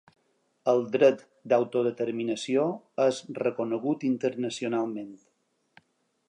El dret d’autodeterminació és reconegut internacionalment.